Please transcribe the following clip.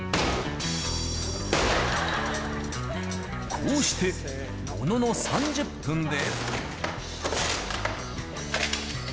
こうして、ものの３０分で。